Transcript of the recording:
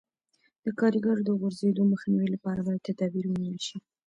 د کاریګرو د غورځېدو مخنیوي لپاره باید تدابیر ونیول شي.